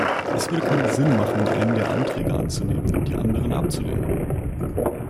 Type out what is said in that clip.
Es würde keinen Sinn machen, einen der Anträge anzunehmen und die anderen abzulehnen.